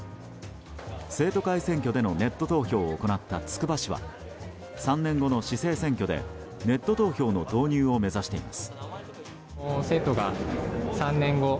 生徒会選挙でのネット投票を行ったつくば市は３年後の市政選挙でネット投票の導入を目指しています。